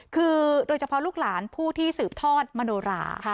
คือโดยเฉพาะลูกหลานผู้ที่สืบทอดมโนรา